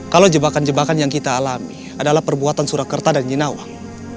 kalau jebakan jebakan yang kita alami adalah perbuatan surakarta dan jinnawang